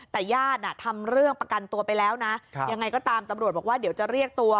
แต่ญาติทำเรื่องประกันตัวไปแล้วนะยังไงก็ตามตำรวจบอกว่าเดี๋ยวจะเรียกตัว